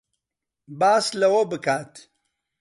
باس لەوە بکات